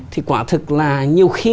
thì quả thực là nhiều khi